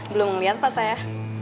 belum liat pak saya